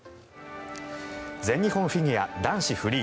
全日本フィギュア男子フリー。